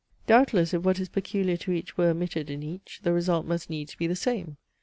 Doubtless, if what is peculiar to each were omitted in each, the result must needs be the same.